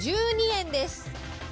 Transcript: １２円です。